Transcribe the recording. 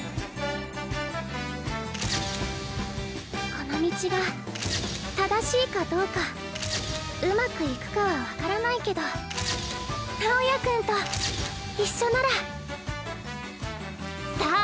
この道が正しいかどうかうまくいくかは分からないけど直也君と一緒ならさあ